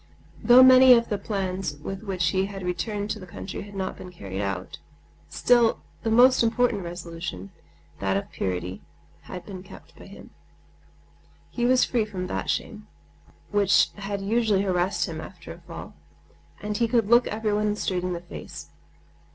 Though many of the plans with which he had returned to the country had not been carried out, still his most important resolution—that of purity—had been kept by him. He was free from that shame, which had usually harassed him after a fall; and he could look everyone straight in the face.